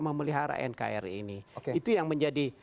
memelihara nkri ini itu yang menjadi